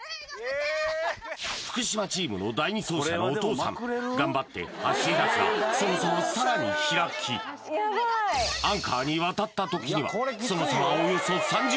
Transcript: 福島チームの第２走者のおとうさん頑張って走りだすがその差はさらに開きアンカーに渡った時にはその差はおよそ３０ｍ